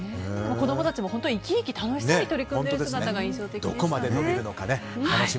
子供たちも生き生き楽しそうに取り組んでいる姿が印象的でした。